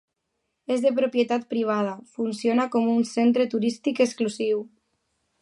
És de propietat privada, funciona com un centre turístic exclusiu.